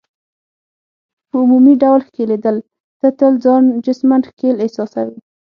په عمومي ډول ښکیلېدل، ته تل ځان جسماً ښکېل احساسوې.